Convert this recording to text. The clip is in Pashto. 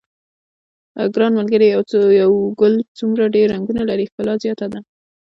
ګرانه ملګریه یو ګل څومره ډېر رنګونه لري ښکلا زیاته ده.